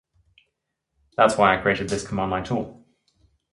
That's why I created this command-line tool